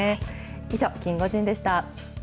以上、キンゴジンでした。